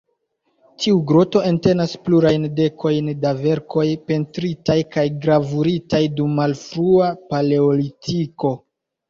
Tiu groto entenas plurajn dekojn da verkoj pentritaj kaj gravuritaj dum malfrua Paleolitiko.